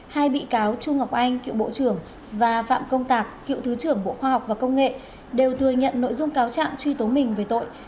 hai bị cáo trung ngọc anh cựu bộ trưởng và phạm công tạc cựu thứ trưởng bộ khoa học và công nghệ đều thừa nhận nội dung cáo trạng truy tố mình về tội